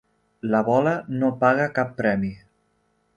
La bola no paga cap premi.